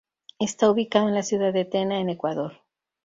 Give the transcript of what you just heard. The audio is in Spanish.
Está ubicado en la ciudad de Tena, en Ecuador.